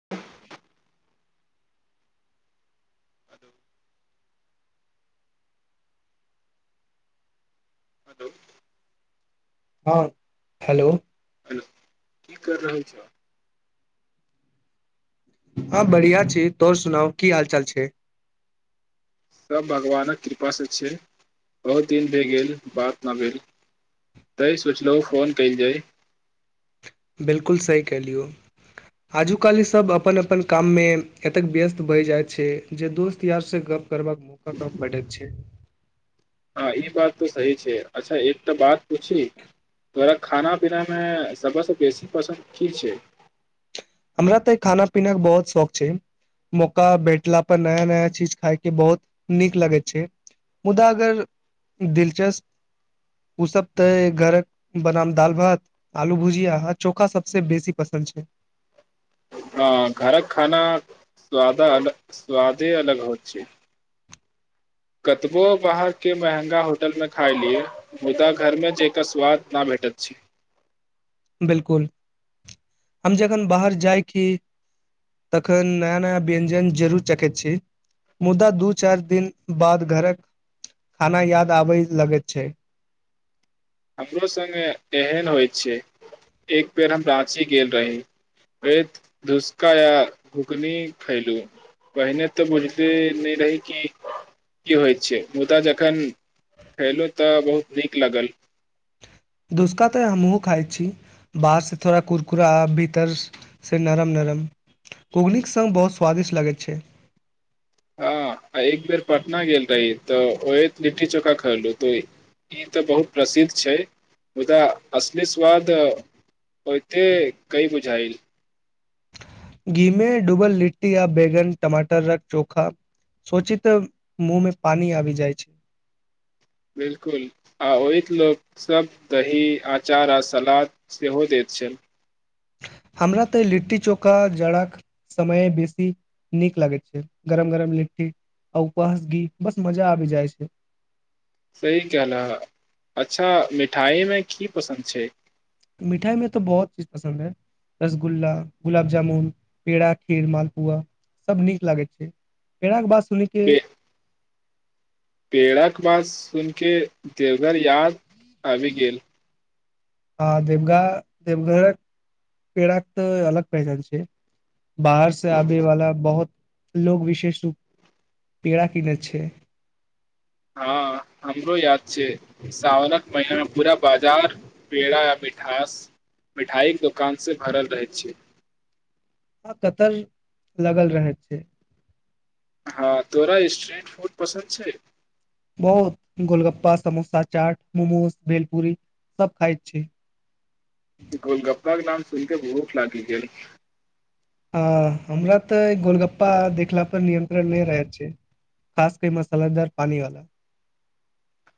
[inaudible] अ [inaudible] hello हँ hello hello की कर रहल छौ हँ बढ़िआँ छी तोहर सुनाउ की हाल चाल छै सब भगवानक कृपासँ छैइ बहुत दिन भए गेल बात न भेल तय सोचलहु फोन कयल जाय बिलकुल सही कयलिअइ आजुकाल ई सभ अपन अपन काममे एतेक व्यस्त भय जाइत छै जे दोस्त यारसँ गप करबा कि मौका कम भेटैत छैइ हँ ई बात तऽ सही छैइ अच्छा एक तऽ बात पुछी तोरा खाना पीनामे सबसँ बेसी पसन्द की छैइ हमरा तऽ खाना पीनाके बहुत शौक छै मौका भेटला पर नया नया चीज खायके बहुत नीक लगैत छै मुदा अगर दिलचस्प ओसभ तऽ घरक बदाम दाल भात आलू भूजिया हां चोखा सबसँ बेसी पसन्द छै हं घरक खाना स्वाद अल स्वादे अलग हो छैइ कतबो बाहरके महँगा होटलमे खाइ लिउ मुदा घरमे जाकर स्वाद ना भेटैत अछि बिलकुल हम जखन बाहर जाइ छी तखन नया नया व्यंजन जरूर चखैत छी मुदा दू चारि दिन बाद घरक खाना याद आबय लगैत छै हमरो सङ्ग एहन होइत छै एक बेर हम राँची गेल रही धूसका या घुघनी खयलहुँ पहिने तऽ बुझिते नहि रही कि की होइत छै मुदा जखन खयलहुँ तऽ बहुत नीक लगल धुसका तऽ हमहूं खाइ छी बाहरसँ थोड़ा कुरकुरा भीतरसँ नरम नरम घूघनीके सङ्ग बहुत स्वादिष्ट लगैत छै हां अइ बेर पटना गेल रही तऽ ओ लिट्टी चोखा खयलहु त ई तऽ बहुत प्रसिद्ध छै मुदा असली स्वाद ओते कई बुझायल घीमे डूबल लिट्टी आ बैगन टमाटरक चोखा सोचिते मुंहमे पानी आबी जाइ छै बिलकुल आ ओहित लोकसभ दही अँचार आ सलाद सेहो दैत छै हमरा तऽ लिट्टी चोखा जड़ाके समय बेसी नीक लागैत छै गरम गरम लिट्टी आ उपर स घी बस मजा आबि जाइ छै सही कहलह अच्छा मिठाइमे की पसन्द छै मिठाइमे तऽ बहुत किछु पसन्द अइ रसगुल्ला गुलाब जामुन पेड़ा खीर मालपुआ सब नीक लागैत छै पेड़ाके बात सुनिके पेड़ाक बात सुन के देवघर याद आबि गेल हँ देवगा देवघरक पेड़ाक तऽ अलग पहचान छै बाहर से आबै वला बहुत लोग विशेष रूप पेड़ा कीनै छै हँ हमरो याद छै साावनक महिनामे पूरा बाजार पेड़ा या मिठास मिठाइके दोकानसँ भरल रहै छै आ कतर लगल रहय छै हँ तोरा स्ट्रीट फूड पसन्द छै बहुत गोलगप्पा समोसा चाट मोमोज भेलपूरी सब खाइत छी गोलगप्पा के नाम सुन के भूख लागि गेल हं हमरा तऽ गोलगप्पा देखला पर नियंत्रण नहि रहैत छै खास क मसालेदार पानीवाला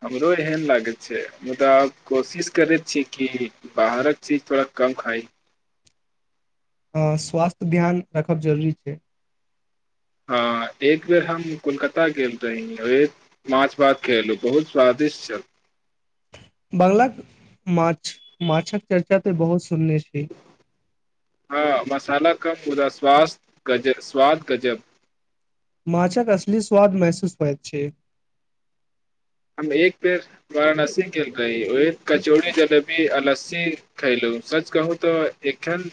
हमरो एहन लागै छै मुदा आब कोशिश करै छीयै कि बाहरक चीज थोड़ा कम खाइ हं स्वास्थ्य ध्यान राखब जरूरी छै हँ एक बेर हम कोलकाता गेल रही है एक माछ भात खेलू बहुत स्वादिष्ट छल बंगलाक माछ माछक चर्चा तऽ बहुत सुनने छी हँ मसाला कम मुदा स्वास स्वाद गजब माछक असली स्वाद महसूस होइत छै हम एक बेेर वाराणसी गेल रही ओय कचौड़ी जलेबी आ नश् से खयलहुं सच कहु तऽ एखन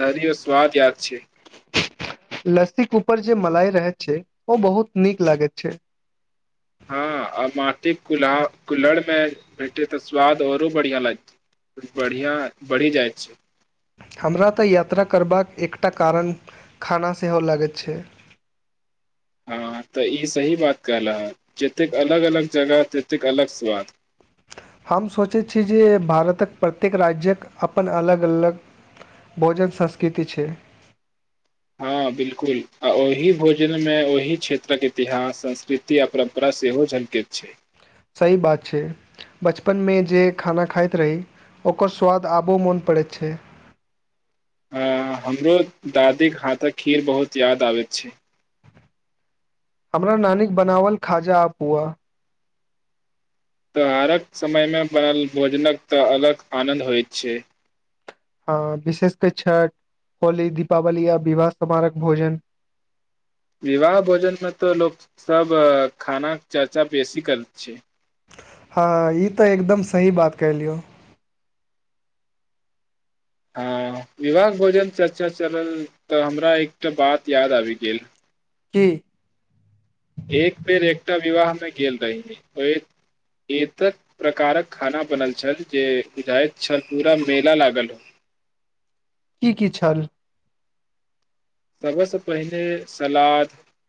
धरि स्वाद याद छै लस्सिकऊपर जे मलाई रहैत छै ओ बहुत नीक लागैत छै हँ आ माटिक कुल्हा कुल्हड़मे भेटै तऽ स्वाद औरो बढ़िया लाग बढ़िया बढ़ी जाय [inaudible] हमरा तऽ यात्रा करबाक एकटा कारण खाना सेहो लागैत छै हँ तऽ ई सही बात कहल' हं जतेक अलग अलग जगह ततेक अलग स्वाद हम सोचैत छी जे भारतक प्रत्येक राज्यक अपन अलग अलग भोजन संस्कृति छै हँ बिलकुल आ ओहि भोजनमे ओहि क्षेत्रक इतिहास संस्कृति आ परम्परा सेहो झलकैत छै सहि बात छै बचपनमे जे खाना खाइत रही ओकर स्वाद आबो मोन पड़ैत छै हं हमरो दादीके हाथक खीर बहुत याद आबैत छै हमरा नानीक बनाबल खाजा आ पुआ त्योहारक समयमे बनल भोजनक तऽ अलग आनन्द होइत छै हँ विशेषक छठ होली दीपावली आ विवाह समारोहक भोजन विवाह भोजनमे तऽ लोक सब खाना चर्चा बेसी करै छै हँ ई तऽ एकदम सही बात कहलियौ हँ विवाहक भोजन चर्चा चलल तऽ हमरा एकटा बात याद आबि गेल की एक बेर एकटा विवाहमे गेल रहहि ओ एतक प्रकारक खाना बनल छल जे बुझाइत छल पूरा मेला लागल हो की की छल सबसँ पहिने सलाद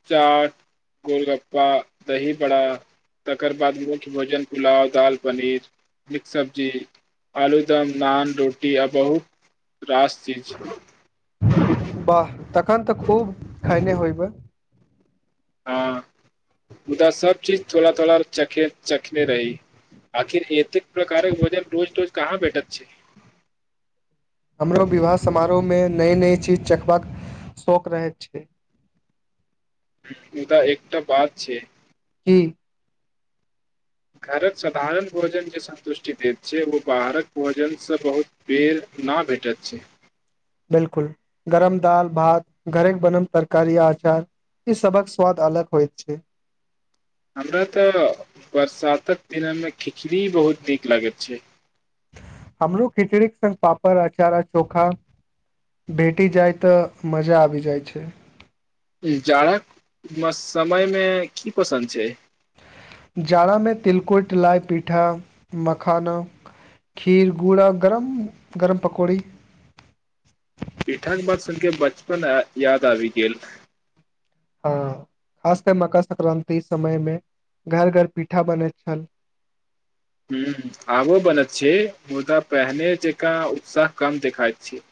चाट गोलगप्पा दहीबड़ा तकर बाद मुख्य भोजन पुलाव दाल पनीर मिक्स सब्जी आलूदम नान रोटी आ बहुत रास चीज वाह तखन तऽ खूब खेने होयबइ हँ मुदा सब चीज थोड़ा थोड़ा च चखने रही आखिर एतेक प्रकारक वजन रोज रोज कहाँ बैठत छै हमरो विवाह समारोहमे नइ नइ चीज चखबा के शौक रहैत छै मुदा एकटा बात छै की घरक साधारण भोजन जे सन्तुष्टि दैत छै ओ बाहरक भोजनसँ बहुत बेेर ना भेटत छै बिलकुल गरम दाल भात घरक बनल तरकारी अचार ई सबक स्वाद अलग होइत छै हमरा तऽ बरसातक दिनमे खिचड़ी बहुत नीक लागैत छै हमरो खिचड़ीक संग पापड़ अचार चोखा भेटी जाइ तऽ मजा आबि जाइ छै जाड़क समय मे की पसन्द छै जाड़ामे तिलकुट लाइ पीठा मखाना खीर गूड़ गरम गरम पकौड़ी पीठाक बाद सुनके बचपन याद आबि गेल हँ खासकर मकर संक्रान्ति समयमे घर घर पीठा बनैत छल हुं आबो बनैत छै मुदा पहिने जकाँ उत्साह काम देखाय छै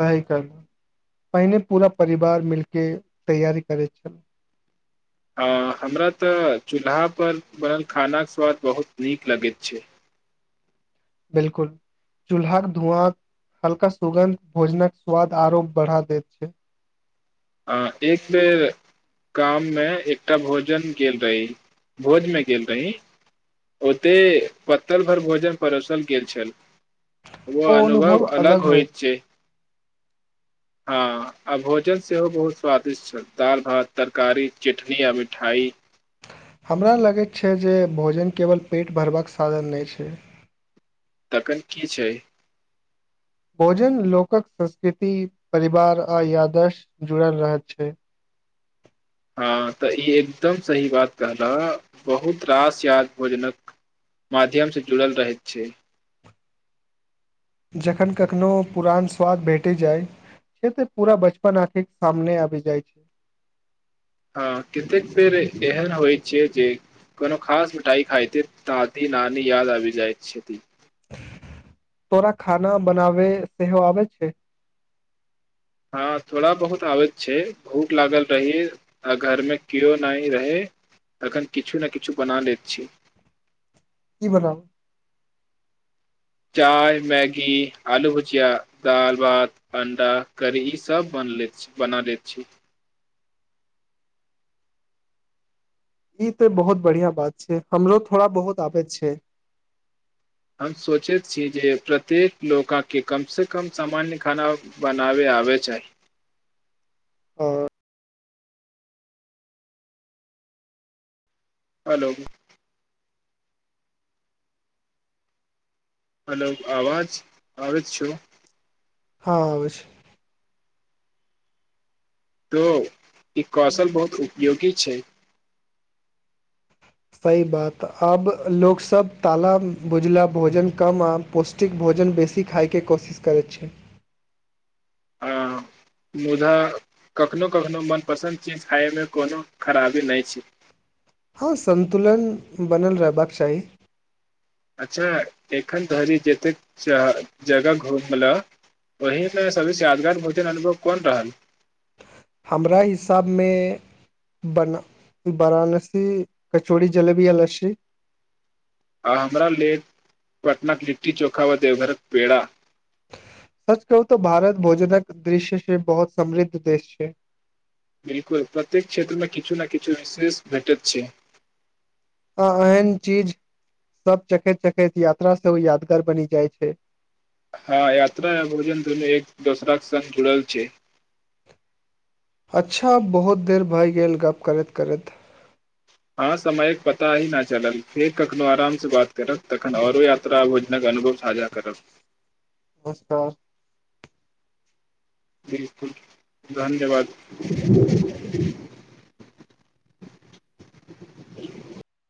सही करलहुँ पहिने पूरा परिवार मिलि कऽ तैयारी करैत छलहुँ हँ हमरा तऽ चूल्हापर बनल खानाक स्वाद बहुत नीक लगैत छै बिलकुल चूल्हाक धुआं हल्का सुगन्ध भोजनक स्वाद आरो बढ़ा दैत छै अ एक बेर गाममे एकटा भोजन गेल रही भोजमे गेल रही ओते पत्तल भरि भोजन परोसल गेल छल ओ अनुभव अलग होइ छै हँ आ भोजन सेहो बहुत स्वादिष्ट छल दाल भात तरकारी चटनी आ मिठाई हमरा लगैत छै जे भोजन केवल पेट भरबाक साधन नहि छै तखन की छै भोजन लोकक संस्कृति परिवार आ यादस जुड़ल रह छै हँ तऽ ई एकदम सही बात कहलाह बहुत रास याद भोजनक माध्यम से जुड़ल रहैत छै जखन कखनो पुरान स्वाद भेटी जाइ छै तऽ पूरा बचपन आंखि सामने आबि जाइ छै हँ कतेक बेर एहन होइ छै जे कोनो खास मिठाई खायत दादी नानी याद आबि जाइत छथि तोरा खाना बनाब सेेहो आबैछै हँ थोड़ा बहुत आबैत छै भूख लागल रहय आ घरमे केयो नहि रहै तखन किछु ने किछु बना लैत छी की बनाउ चाय मैगी आलू भुजिया दाल भात अण्डा करी ईसभ बन ले छी बना लै छी ई तऽ बहुत बढ़िआं बात छै हमरो थोड़ा बहुत आबैत छै हम सोचैत छी जे प्रत्येक लोककें कमसँ कम सामान्य खाना बनाबै आबै चाहि आ हलौ हलौ आवाज आबैत छौ हँ अबै छै त ई कौशल बहुत उपयोगी छै सही बात आब लोकसभ ताला भुजला भोजन कम आ पौष्टिक भोजन बेसी खायके कोशिश करैत छै आ मुदा कखनो कखनो मनपसन्द चीज खायमे कोनो खराबी नहि छै हँ संन्तुलन बनल रहबाक चाही अच्छा एखन धरि जतेक जगह घुमलह ओहीमे सभसँ यादगार भोजन अनुभव कोन रहल हमरा हिसाबमे बन वाराणसी कचौड़ी जलेबी आ लस्सी आ हमरा ले पटनाक लिट्टी चोखा व देवघरक पेड़ा सच कहू तऽ भारत भोजनक दृश्य से बहुत समृद्ध देश छै बिलकुल प्रत्येक क्षेत्रमे किछु ने किछु विशेष भेटैत छै आ एहन चीज सभ चखैत चखैत यात्रा सेहो यादगार बनि जाइ छै हँ यात्रा आ भोजन दोनो एक दोसरााक संग जुड़ल छै अच्छा आब बहुत देर भए गेल गप्प करैत करैत अहाँ समयक पता ही नहि चलल फेर कखनहु आरामसँ बात करब तखन आओरो यात्रा भोजनक अनुभव साझा करब नमस्कार बिलकुल धन्यवाद